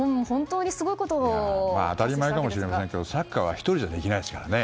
当たり前かもしれませんけどサッカーは１人じゃできませんからね。